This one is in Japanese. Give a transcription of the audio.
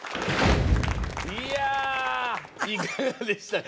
いやいかがでしたか。